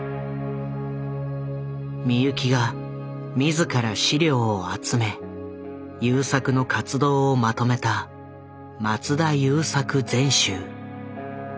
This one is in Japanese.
美由紀が自ら資料を集め優作の活動をまとめた「松田優作全集」。